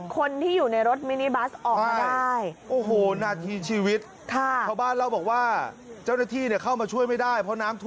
๑๗คนที่อยู่ในรถมินิบัสออกมาได้